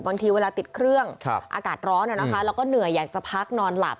บางทีเวลาติดเครื่องอากาศร้อนแล้วก็เหนื่อยอยากจะพักนอนหลับ